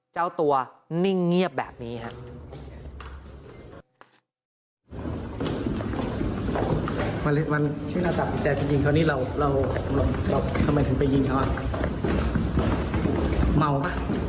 เจ้าตัวนิ่งเงียบแบบนี้ครับ